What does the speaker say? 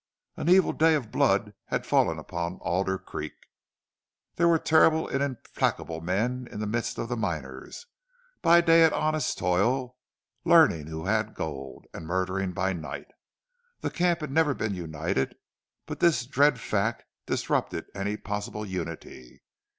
An evil day of blood had fallen upon Alder Creek. There were terrible and implacable men in the midst of the miners, by day at honest toil, learning who had gold, and murdering by night. The camp had never been united, but this dread fact disrupted any possible unity.